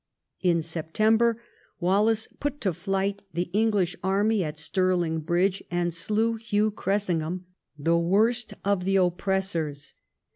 In September Wallace put to flight the English army at Stirling Bridge, and slew Hugh Cressingham, the worst of the oppressors.